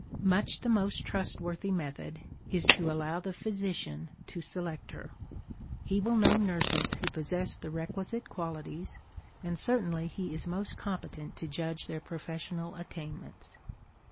Much the most trustworthy method is to allow the physician to select her. He will know nurses who possess the requisite qualities, and certainly he is most competent to judge their professional attainments.